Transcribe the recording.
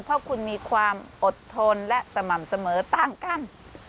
เพราะคุณมีความอดทนและสม่ำเสมอต่างกัน